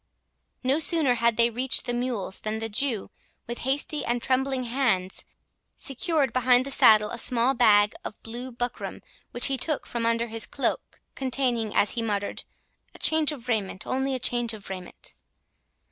No sooner had they reached the mules, than the Jew, with hasty and trembling hands, secured behind the saddle a small bag of blue buckram, which he took from under his cloak, containing, as he muttered, "a change of raiment—only a change of raiment."